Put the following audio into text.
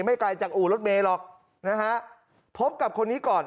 ไม่ไกลจากอู่รถเมล็กพบกับคนนี้ก่อน